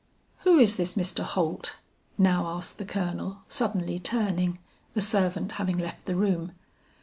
"'Who is this Mr. Holt?' now asked the Colonel suddenly turning, the servant having left the room.